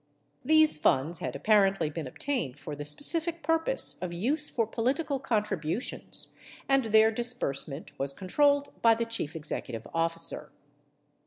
These funds had apparently been obtained for the specific purpose of use for political contributions, and their disbursement was controlled by the chief executive officer.